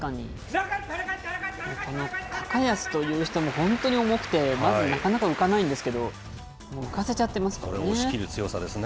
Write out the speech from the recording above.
この高安という人も本当に重くて、まずなかなか浮かないんですけど、浮かせちゃってますからね。